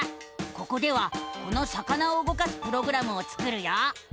ここではこの魚を動かすプログラムを作るよ！